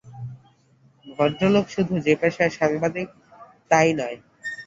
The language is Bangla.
ভদ্রলোক শুধু যে পেশায় সাংবাদিক তাই নয়।